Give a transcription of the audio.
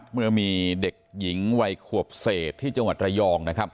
เมื่อมีเด็กหญิงวัยขวบเศษที่จังหวัดระยอง